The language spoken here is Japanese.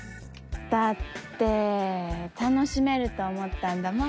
だって楽しめると思ったんだもん。